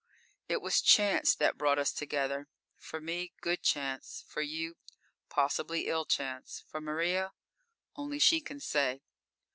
_ _It was chance that brought us together. For me, good chance; for you, possibly ill chance; for Maria? Only she can say.